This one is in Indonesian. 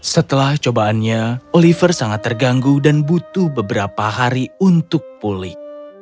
setelah cobaannya oliver sangat terganggu dan butuh beberapa hari untuk pulih